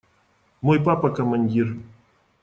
Мой папа – командир.